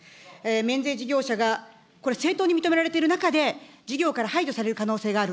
免税事業者がこれ、正当に認められている中で、事業から排除される可能性がある。